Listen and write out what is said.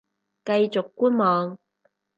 繼續觀望